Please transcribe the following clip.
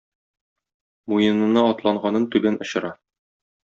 Муенына атланганын түбән очыра.